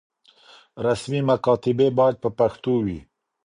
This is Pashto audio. رسمي مکاتبې بايد په پښتو وي.